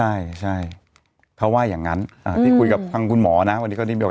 ใช่ใช่เขาว่าอย่างนั้นที่คุยกับทางคุณหมอนะวันนี้ก็ได้